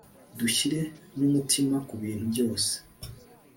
dushyire numutima kubintu byose;